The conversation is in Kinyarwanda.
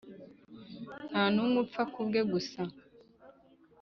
nta n umwe upfa ku bwe gusa